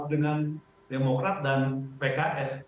dengan demokrat dan pks